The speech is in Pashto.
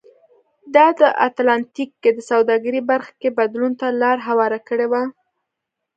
دا د اتلانتیک کې د سوداګرۍ برخه کې بدلون ته لار هواره کړې وه.